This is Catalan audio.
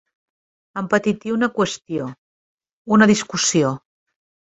Empetitir una qüestió, una discussió.